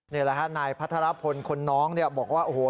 นี่แหละฮะนายพัทรพลคนน้องเนี่ยบอกว่าโอ้โห